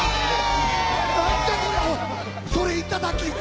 それ、いただき！